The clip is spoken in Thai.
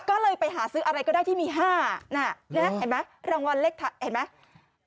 ก็เลยไปหาซื้ออะไรก็ได้ที่มี๕น่ะเห็นไหมรางวัลเลขเห็นไหม